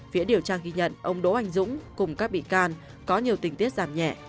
phía điều tra ghi nhận ông đỗ anh dũng cùng các bị can có nhiều tình tiết giảm nhẹ